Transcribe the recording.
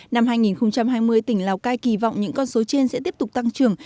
năm hai nghìn hai mươi tỉnh lào cai kỳ vọng những con số trên sẽ tiếp tục tăng trưởng